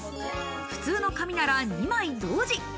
普通の紙なら２枚同時。